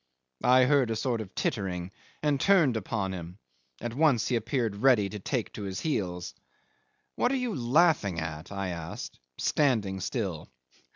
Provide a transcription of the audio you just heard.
I heard a sort of tittering, and turned upon him; at once he appeared ready to take to his heels. "What are you laughing at?" I asked, standing still.